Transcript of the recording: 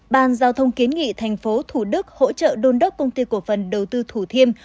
bàn giao thông kiến nghị thành phố thủ đức hỗ trợ đôn đốc công ty cổ phần đầu tư thủ thiêm